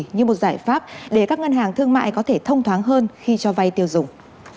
như một giải pháp để các ngân hàng thương mại có thể thông thoáng hơn khi cho vay tiêu dùng